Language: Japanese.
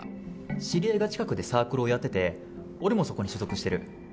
知り合いが近くでサークルをやってて、俺もそこに所属してる。